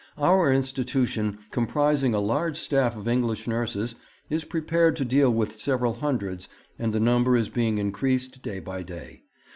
'Our institution, comprising a large staff of English nurses, is prepared to deal with several hundreds, and the number is being increased day by day.